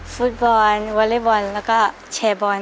ฟุตบอลวอเล็กบอลแล้วก็แชร์บอล